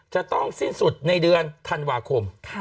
จะต้องสิ้นสุดในเดือนธันวาคม